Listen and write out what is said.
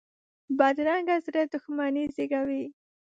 بدرنګه زړه دښمني زېږوي